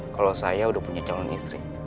kalau saya udah punya calon istri